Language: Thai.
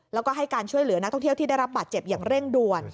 แล้วก็ให้การช่วยเหลือนักท่องเที่ยวที่ได้รับบาดเจ็บอย่างเร่งด่วน